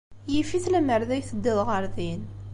Yif-it lemmer d ay teddiḍ ɣer din.